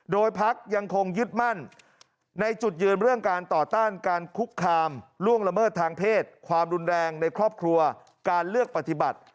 โดยพักยังคงยึดมั่นในจุดยืนเรื่องการต่อต้านการคุกคามล่วงละเมิดทางเพศความรุนแรงในครอบครัวการเลือกปฏิบัติ